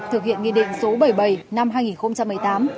thực hiện nghị định số bảy mươi bảy năm hai nghìn một mươi tám